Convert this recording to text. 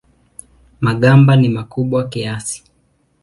Magamba ni makubwa kiasi.